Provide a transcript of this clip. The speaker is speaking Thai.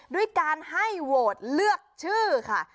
ด้วยการให้โหวตเลือกชื่อค่ะ